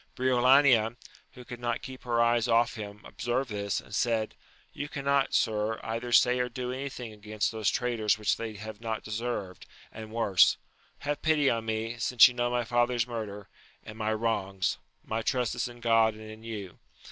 Briolania, who could not keep her eyes off him observed this, and said. You cannot, sir, either say or do anything against those traitors which they have not deserved, and worse : have pity on me, since you know my father's murder, and my wrongs : my trust is in God and in you.